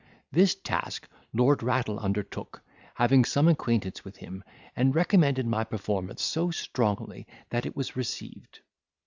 This task Lord Rattle undertook, having some acquaintance with him, and recommended my performance so strongly that it was received.